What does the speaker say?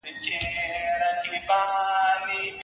زه چي هر څومره زړېږم